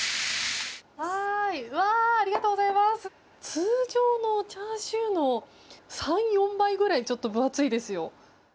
通常のチャーシューの３４倍ぐらい分厚いですよ。